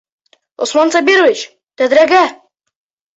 Усман Сабирович, тәҙрәгә!